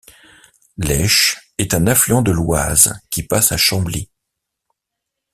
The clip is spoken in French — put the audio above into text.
L'Esches est un affluent de l'Oise qui passe à Chambly.